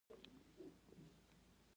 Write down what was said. ميرويس نيکه منډه واخيسته.